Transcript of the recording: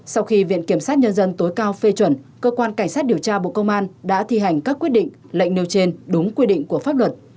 sau khi viện kiểm sát nhân dân tối cao phê chuẩn cơ quan cảnh sát điều tra bộ công an đã thi hành các quyết định lệnh nêu trên đúng quy định của pháp luật